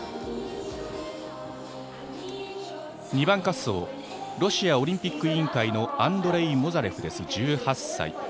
２番滑走ロシアオリンピック委員会のアンドレイ・モザレフ、１８歳。